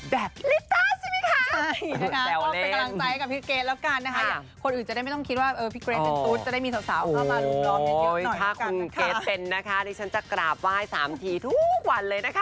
แบบลิฟต้าสิมิคะ